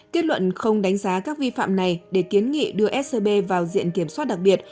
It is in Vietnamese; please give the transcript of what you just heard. kết luận không đánh giá các vi phạm này để kiến nghị đưa scb vào diện kiểm soát đặc biệt